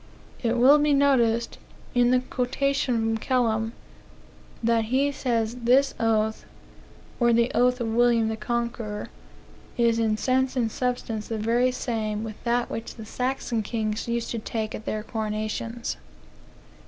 It will be noticed, in the quotation from Kelham, that he says this oath (or the oath of William the Conqueror) is "in sense and substance the very same with that which the Saxon kings used to take at their coronations."